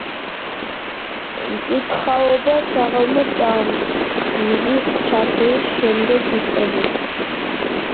მკითხაობა საღამო ჟამს, მზის ჩასვლის შემდეგ იწყებოდა.